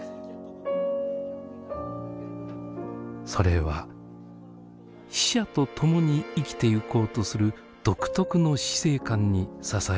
それは死者と共に生きてゆこうとする独特の死生観に支えられています。